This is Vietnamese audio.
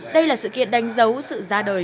đây là sự kiện đánh dấu sự ra đời